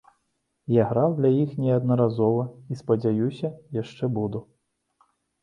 Я граў для іх неаднаразова, і, спадзяюся, яшчэ буду.